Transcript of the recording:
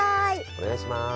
お願いします。